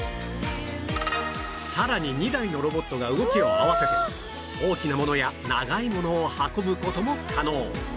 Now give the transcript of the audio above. さらに２台のロボットが動きを合わせて大きなものや長いものを運ぶ事も可能